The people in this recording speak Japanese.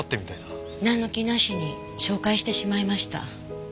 なんの気なしに紹介してしまいました。